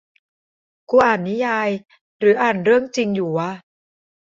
กูอ่านนิยายหรืออ่านเรื่องจริงอยู่วะ